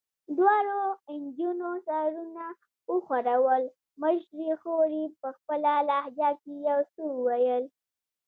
دواړو نجونو سرونه وښورول، مشرې خور یې په خپله لهجه کې یو څه وویل.